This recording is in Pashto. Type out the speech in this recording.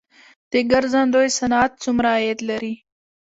د ګرځندوی صنعت څومره عاید لري؟